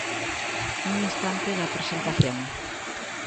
Un instante da presentación.